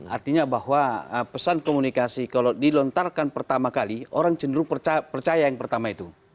artinya bahwa pesan komunikasi kalau dilontarkan pertama kali orang cenderung percaya yang pertama itu